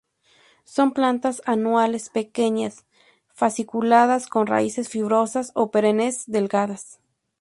Son plantas anuales pequeñas, fasciculadas, con raíces fibrosas o perennes delgadas.